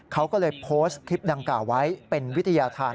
เขาก็เลยโพสต์คลิปดังกล่าวไว้เป็นวิทยาธาร